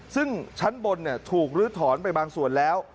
ซึ่งชั้นบนถูกลื้อถอนไปบางส่วนแล้ว